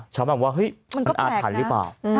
ฉันบอกว่าเฮ้ยมันอาถารหรือเปล่า